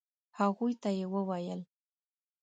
هغوی ته يې وويل.